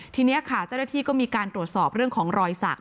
ทีนี้ค่ะเจ้าหน้าที่ก็มีการตรวจสอบเรื่องของรอยสัก